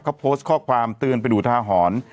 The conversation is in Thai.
เขาโพสต์ข้อความเตือนไปดูทาหรณ์